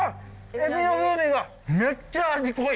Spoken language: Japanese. エビの風味がメッチャ味濃い。